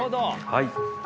はい。